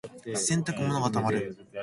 洗濯物が溜まる。